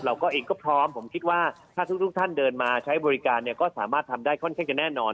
เราก็เองก็พร้อมผมคิดว่าถ้าทุกท่านเดินมาใช้บริการเนี่ยก็สามารถทำได้ค่อนข้างจะแน่นอน